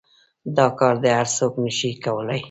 دا كار هر سوك نشي كولاى.